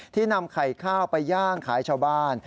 นำไข่ข้าวไปย่างขายชาวบ้าน